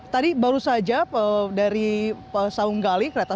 tadi baru saja dari saunggali kereta